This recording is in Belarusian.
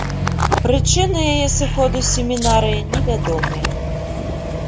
Прычыны яе сыходу з семінарыі невядомыя.